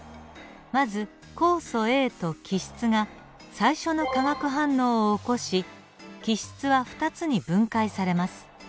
まず酵素Ａと基質が最初の化学反応を起こし基質は２つに分解されます。